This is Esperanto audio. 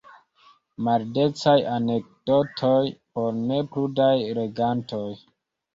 Maldecaj anekdotoj por neprudaj legantoj.